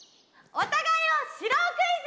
お互いを知ろうクイズ！